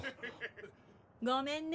ごめんね